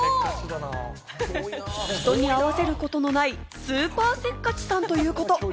人に合わせることのないスーパーせっかちさんということ。